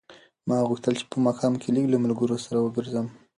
ما غوښتل چې په ماښام کې لږ له ملګرو سره وګرځم.